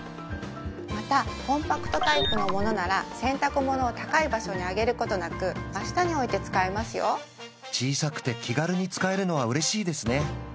またコンパクトタイプのものなら洗濯物を高い場所に上げることなく真下に置いて使えますよ小さくて気軽に使えるのは嬉しいですね